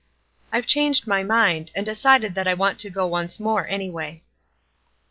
"I've changed my mind, and decided that I want to go once more, anyway."